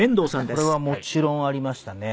それはもちろんありましたね。